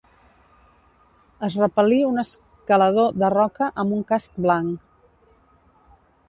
Es repel·lir un escalador de roca amb un casc blanc.